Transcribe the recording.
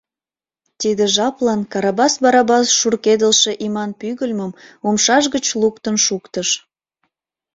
Тиде жаплан Карабас Барабас шуркедылше иман пӱгыльмым умшаж гыч луктын шуктыш.